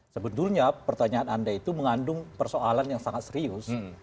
sebetulnya pertanyaan anda itu mengandung persoalan yang sangat serius